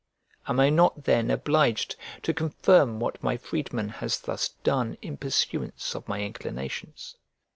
Am I not then obliged to confirm what my freedman has thus done in pursuance of my inclinations?